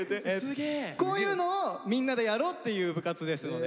こういうのをみんなでやろうっていう部活ですので。